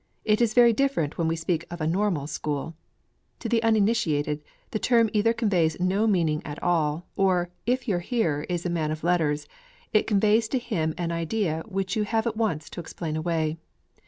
It is very different when we speak of a Normal School. To the uninitiated, the term either conveys no meaning at all; or, if your hearer is a man of letters, it conveys to him an idea which you have at once to explain away.